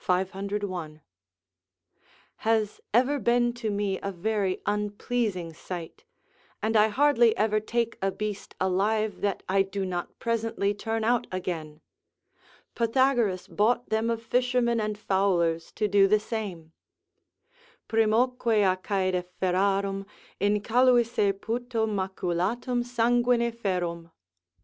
501.] has ever been to me a very unpleasing sight; and I hardly ever take a beast alive that I do not presently turn out again. Pythagoras bought them of fishermen and fowlers to do the same: "Primoque a caede ferarum, Incaluisse puto maculatum sanguine ferrum."